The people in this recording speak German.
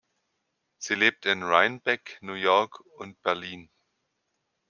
Sie lebt in Rhinebeck, New York und Berlin.